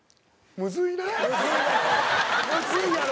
むずいやろ。